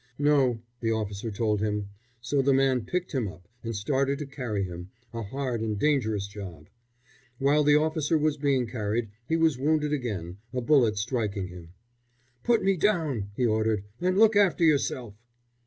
"No," the officer told him, so the man picked him up and started to carry him a hard and dangerous job. While the officer was being carried he was wounded again, a bullet striking him. "Put me down," he ordered, "and look after yourself."